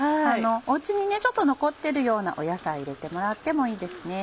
お家にちょっと残ってるような野菜入れてもらってもいいです。